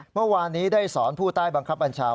เมื่อวานนี้ได้สอนผู้ใต้บังคับบัญชา